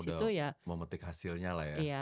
sekarang udah memetik hasilnya lah ya